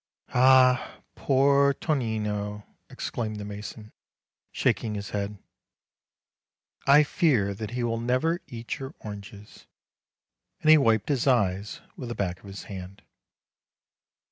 "Ah, poor Tonino!" exclaimed the mason, shaking his head, "I fear that he will never eat your oranges !" and he wiped his eyes with the back of his hand.